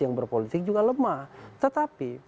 yang berpolitik juga lemah tetapi